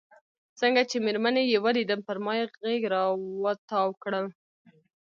څنګه چې مېرمنې یې ولیدم پر ما یې غېږ را وتاو کړل.